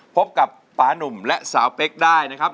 พบกับปานุ่มและสาวเป๊กได้นะครับ